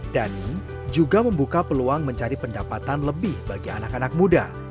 dhani juga membuka peluang mencari pendapatan lebih bagi anak anak muda